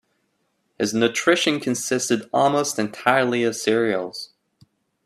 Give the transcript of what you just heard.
His nutrition consisted almost entirely of cereals.